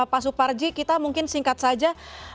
pak suparji kita mungkin singkat saja